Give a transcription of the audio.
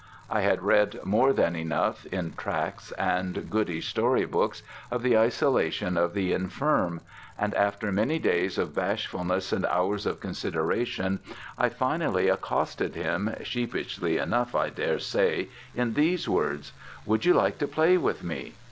I had read more than enough, in tracts and goody story books, of the isolation of the infirm; and after many days of bashfulness and hours of consideration, I finally accosted him, sheepishly enough I daresay, in these words: "Would you like to play with me?"